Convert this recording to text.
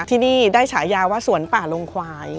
ที่นี่ได้ฉายาว่าสวนป่าลงควาย